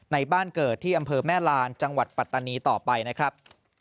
บ้านเกิดที่อำเภอแม่ลานจังหวัดปัตตานีต่อไปนะครับ